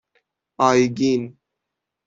آیگین